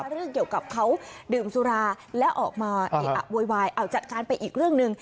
เรื่องเกี่ยวกับเขาดื่มสุราแล้วออกมาโวยวายเอาจัดการไปอีกเรื่องหนึ่ง